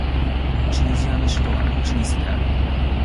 チュニジアの首都はチュニスである